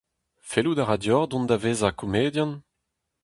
Fellout a ra deoc'h dont da vezañ komedian ?